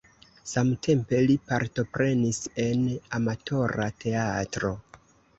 Samtempe li partoprenis en amatora teatro.